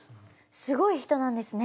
すごい人なんですね！